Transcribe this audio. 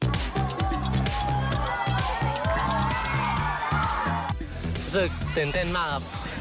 รู้สึกตื่นเต้นมากครับ